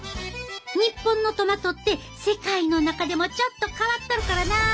日本のトマトって世界の中でもちょっと変わっとるからなあ。